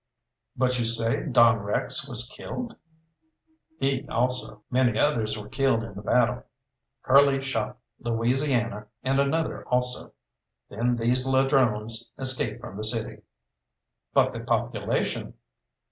"But you say Don Rex was killed?" "He also; many others were killed in the battle. Curly shot Louisiana and another also. Then these ladrones escaped from the city." "But the population!"